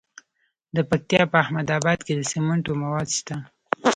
د پکتیا په احمد اباد کې د سمنټو مواد شته.